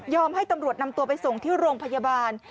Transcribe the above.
ให้ตำรวจนำตัวไปส่งที่โรงพยาบาล